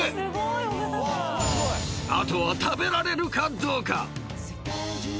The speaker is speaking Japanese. ［後は食べられるかどうか？］